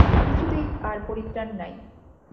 কিছুতেই আর পরিত্রাণ নাই।